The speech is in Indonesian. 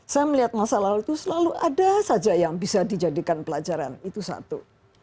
saya melihat masa lalu itu selalu ada saja yang bisa dijadikan pelajaran itu satu